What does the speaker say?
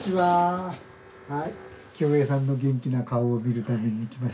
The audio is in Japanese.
キヨエさんの元気な顔を見るために来ました。